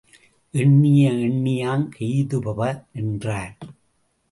எண்ணிய எண்ணியாங் கெய்துப என்றார்.